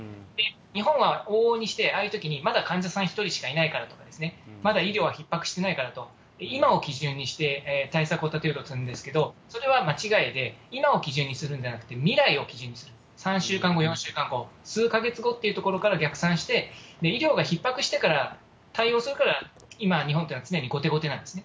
日本は往々にしてああいうときにまだ患者さん１人しかいないからとか、まだ医療はひっ迫してないからと、今を基準にして対策を立てるんですけど、それは間違いで、今を基準にするんではなくて、未来を基準にする、３週間後、４週間後、数か月後っていうところから逆算して、医療がひっ迫してから対応するから今、日本っていうのは常に後手後手なんですね。